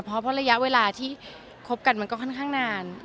เพราะระยะเวลาที่คบกันมันก็ค่อนข้างนาน